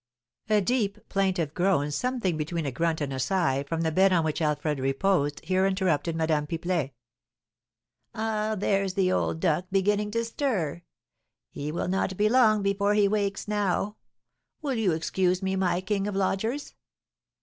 A deep, plaintive groan, something between a grunt and a sigh, from the bed on which Alfred reposed, here interrupted Madame Pipelet. "Ah, there's the old duck beginning to stir; he will not be long before he wakes now. Will you excuse me, my king of lodgers?"